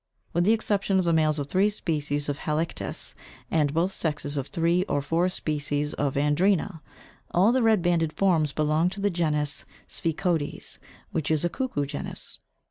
With the exception of the males of three species of Halictus, and both sexes of three or four species of Andrena, all the red banded forms belong to the genus Sphecodes (pl. B, 11), which is a cuckoo genus.